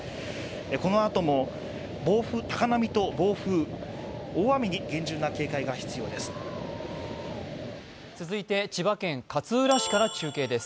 このあとも高波と暴風、大雨に厳重な警戒が必要です。